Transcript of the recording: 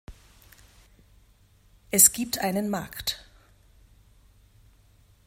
Es gibt einen Markt.